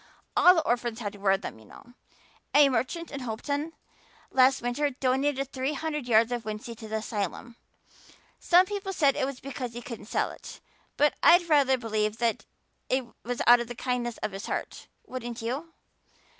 All the orphans had to wear them, you know. A merchant in Hopeton last winter donated three hundred yards of wincey to the asylum. Some people said it was because he couldn't sell it, but I'd rather believe that it was out of the kindness of his heart, wouldn't you?